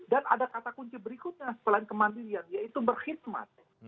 dan ada kata kunci berikutnya selain kemandirian yaitu berkhidmat